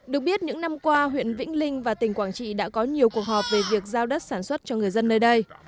được biết những năm qua huyện vĩnh linh và tỉnh quảng trị đã có nhiều cuộc họp về việc giao đất sản xuất cho người dân nơi đây